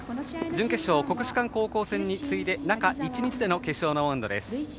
準決勝、国士舘高校戦に次いで中１日での決勝のマウンド。